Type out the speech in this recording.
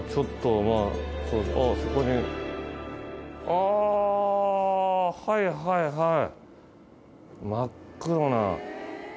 あはいはいはい。